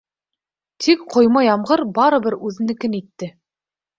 Тик ҡойма ямғыр барыбер үҙенекен итте.